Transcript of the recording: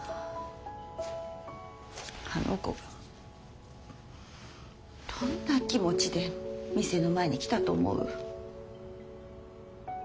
あの子がどんな気持ちで店の前に来たと思う？